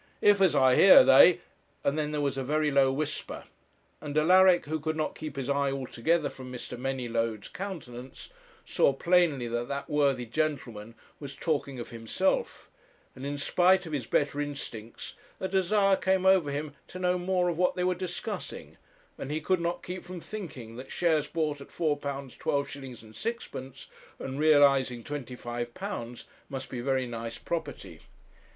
If, as I hear, they ' and then there was a very low whisper, and Alaric, who could not keep his eye altogether from Mr. Manylodes' countenance, saw plainly that that worthy gentleman was talking of himself; and in spite of his better instincts, a desire came over him to know more of what they were discussing, and he could not keep from thinking that shares bought at £4 12s. 6d., and realizing £25, must be very nice property.